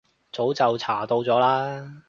早就查到咗啦